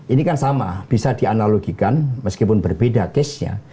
ini kan sama bisa dianalogikan meskipun berbeda case nya